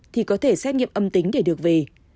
thì có thể xét nghiệm âm tính để được về